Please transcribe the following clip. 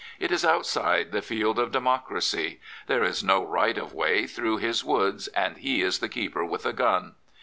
It is outside the field of democracy. There is no right of way through his woods, and he is the keeper with a gun.